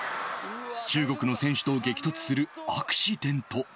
中国の選手と激突するアクシデント。